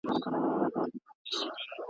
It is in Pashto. د همزولو په ټولۍ کي ګلدسته یم `